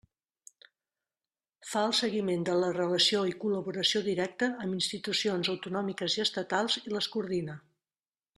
Fa el seguiment de la relació i col·laboració directa amb institucions autonòmiques i estatals i les coordina.